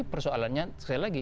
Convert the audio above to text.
persoalannya sekali lagi